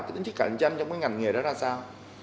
cái tính trí cạnh tranh trong cái ngành nghề đó ra sao